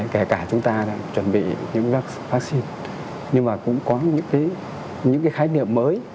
kể cả chúng ta chuẩn bị những vaccine nhưng mà cũng có những cái khái niệm mới